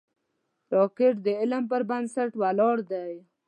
راکټ د علم پر بنسټ ولاړ دی